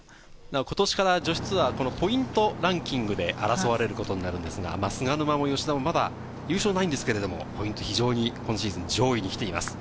今年から女子ツアー、このポイントランキングで争われることになります、菅沼も吉田もまだ優勝はないんですけれど、ポイントは非常に今シーズン上位に来ています。